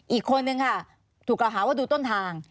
อีกคนนึงค่ะถูกกล่าวหาว่าดูต้นทาง